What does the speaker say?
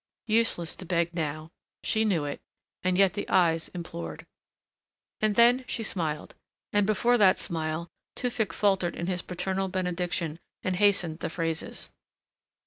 Useless to beg now. She knew it, and yet the eyes implored. And then she smiled. And before that smile Tewfick faltered in his paternal benediction and hastened the phrases.